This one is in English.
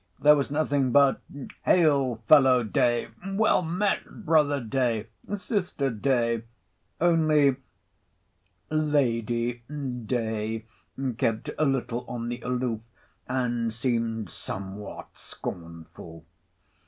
There was nothing but, Hail! fellow Day,—well met—brother Day—sister Day,—only Lady Day kept a little on the aloof, and seemed somewhat scornful.